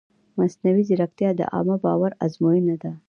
مصنوعي ځیرکتیا د عامه باور ازموینه ده.